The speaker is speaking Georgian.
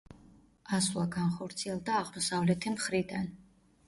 ასვლა განხორციელდა აღმოსავლეთი მხრიდან.